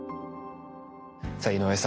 さあ井上さん